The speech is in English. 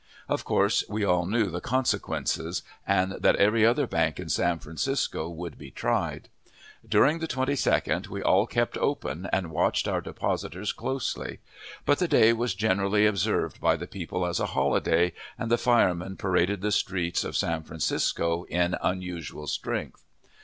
Of course, we all knew the consequences, and that every other bank in San Francisco would be tried. During the 22d we all kept open, and watched our depositors closely; but the day was generally observed by the people as a holiday, and the firemen paraded the streets of San Francisco in unusual strength.